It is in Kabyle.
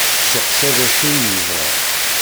Testeqsa d acu i yebɣa.